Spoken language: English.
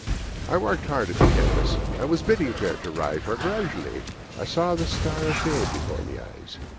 I worked hard at my canvas, and was bidding fair to rise, For gradually I saw the star of fame before my eyes.